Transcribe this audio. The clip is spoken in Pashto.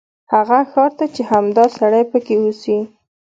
هغه ښار ته چې همدا سړی پکې اوسي.